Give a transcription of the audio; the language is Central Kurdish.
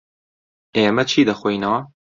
ئێمە چی دەخۆینەوە؟